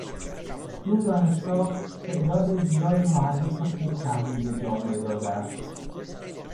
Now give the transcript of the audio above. این دانشگاه تعداد زیادی مهندس خوب تحویل جامعه داده است.